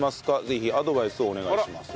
ぜひアドバイスをお願いします。